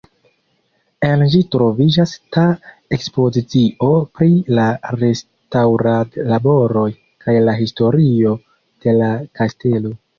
En ĝi troviĝas ta ekspozicio pri la restaŭradlaboroj kaj la historio de la kastelo.